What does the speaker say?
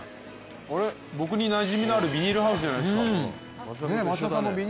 あれ、僕になじみのあるビニールハウスじゃないですか。